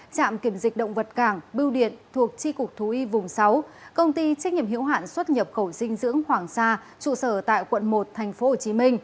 trạm kiểm dịch động vật cảng bưu điện thuộc tri cục thú y vùng sáu công ty trách nhiệm hiệu hạn xuất nhập khẩu dinh dưỡng hoàng sa trụ sở tại quận một tp hcm